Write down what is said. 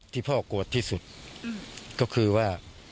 ที่พ่อโกรธที่สุดก็คือว่า